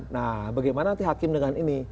nah bagaimana nanti hakim dengan ini